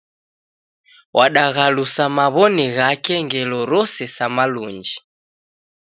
Wadaghalusa maw'oni ghake ngelo rose sa malunji